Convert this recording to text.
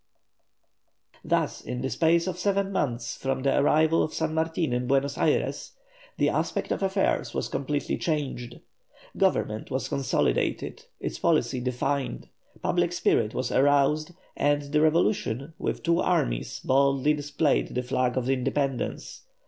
Thus in the space of seven months from the arrival of San Martin in Buenos Ayres the aspect of affairs was completely changed. Government was consolidated, its policy defined, public spirit was aroused, and the revolution, with two armies, boldly displayed the flag of independence.